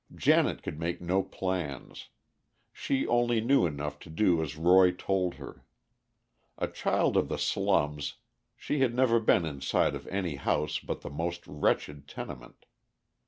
Janet could make no plans. She only knew enough to do as Roy told her. A child of the slums, she had never been inside of any house but the most wretched tenement.